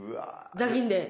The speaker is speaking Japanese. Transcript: ザギンで。